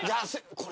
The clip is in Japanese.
これ。